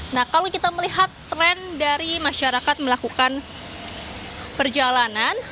nah kalau kita melihat tren dari masyarakat melakukan perjalanan